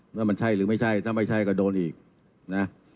ว่ามันใช่หรือไม่ใช่ถ้าไม่ใช่ก็โดนอีกนะ